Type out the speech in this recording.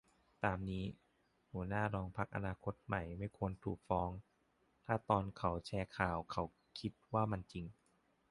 ตามนี้ รองหัวหน้าพรรคอนาคตใหม่ไม่ควรถูกฟ้องถ้าตอนเขาแชร์ข่าวเขาคิดว่ามันจริง